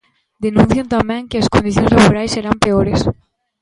Denuncian tamén que as condicións laborais serán peores.